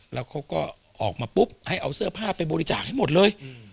แล้วเขาก็ออกมาปุ๊บให้เอาเสื้อผ้าไปบริจาคให้หมดเลย